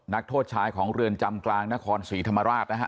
นักโทษชายของเรือนจำกลางนครศรีธรรมราชนะฮะ